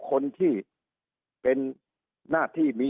สุดท้ายก็ต้านไม่อยู่